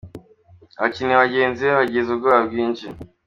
Abakinnyi bagenzi be bagize ubwoba bwinshi.